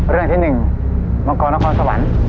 เรื่องที่๑มังกรนครสวรรค์